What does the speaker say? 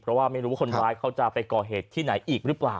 เพราะว่าไม่รู้ว่าคนร้ายเขาจะไปก่อเหตุที่ไหนอีกหรือเปล่า